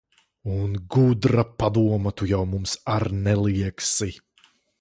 Un gudra padoma tu jau mums ar neliegsi.